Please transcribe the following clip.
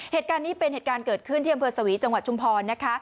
เหตุการณ์นี้เป็นเหตุการณ์เกิดขึ้นที่อำเภอสวีจังหวัดชุมพรนะคะ